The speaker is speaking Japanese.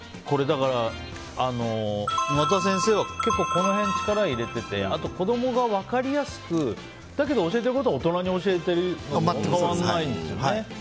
沼田先生が結構この辺力を入れていてあと子供が分かりやすくだけど教えてることは大人に教えているのと変わらないんですよね。